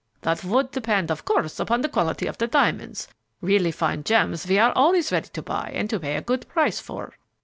"That would depend, of course, upon the quality of the diamonds; really fine gems we are always ready to buy and to pay a good price for."